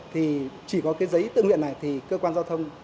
thì chỉ có cái giấy tự nguyện này thì cơ quan giao thông